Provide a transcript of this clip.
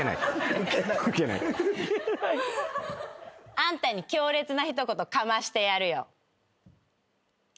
あんたに強烈な一言かましてやるよ。